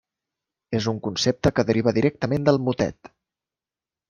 És un concepte que deriva directament del motet.